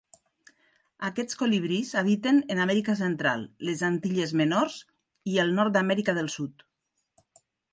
Aquests colibrís habiten en Amèrica Central, les Antilles menors i el nord d'Amèrica del Sud.